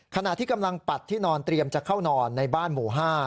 ขณะที่กำลังปัดที่นอนเตรียมจะเข้านอนในบ้านหมู่๕